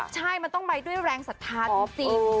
ใช่มันต้องไปด้วยแรงศรัทธาจริง